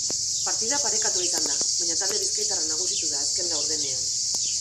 Partida parekatua izan da, baina talde bizkaitarra nagusitu da azken laurdenean.